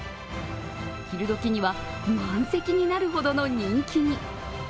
昼どきには、満席になるほどの人気に。